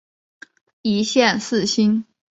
一线四星。